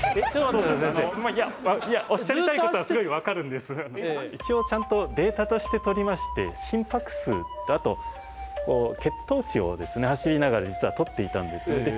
そういやおっしゃりたいことはすごい分かるんです一応ちゃんとデータとして取りまして心拍数とあと血糖値をですね走りながら実は取っていたんです